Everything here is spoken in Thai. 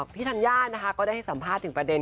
พี่ธัญญาก็ได้สัมภาษณ์ถึงประเด็น